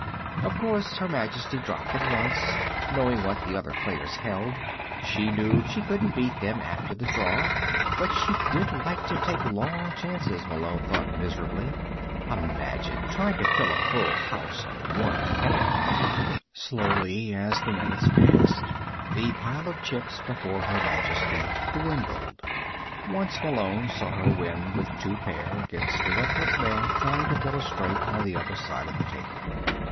Of course Her Majesty dropped at once; knowing what the other players held, she knew she couldn't beat them after the draw. But she did like to take long chances, Malone thought miserably. Imagine trying to fill a full house on one pair! Slowly, as the minutes passed, the pile of chips before Her Majesty dwindled. Once Malone saw her win with two pair against a reckless man trying to fill a straight on the other side of the table.